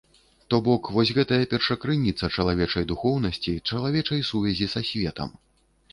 То бок вось гэтая першакрыніца чалавечай духоўнасці, чалавечай сувязі са светам.